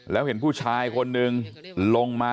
แล้วเห็นผู้ชายคนหนึ่ง